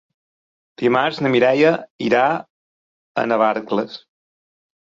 Dimarts na Mireia irà a Navarcles.